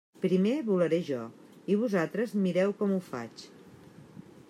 Primer volaré jo i vosaltres mireu com ho faig.